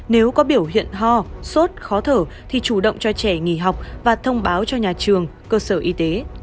nếu có biểu hiện ho sốt khó thở thì chủ động cho trẻ nghỉ học và thông báo cho nhà trường cơ sở y tế